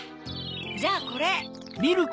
じゃあこれ。